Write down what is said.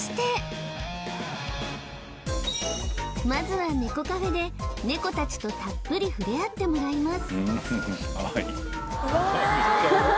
まずはネコカフェでネコ達とたっぷり触れ合ってもらいます